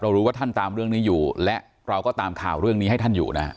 รู้ว่าท่านตามเรื่องนี้อยู่และเราก็ตามข่าวเรื่องนี้ให้ท่านอยู่นะฮะ